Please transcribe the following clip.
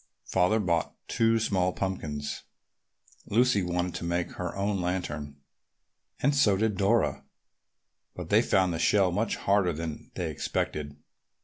Father bought two small pumpkins. Lucy wanted to make her own lantern and so did Dora, but they found the shell much harder than they expected.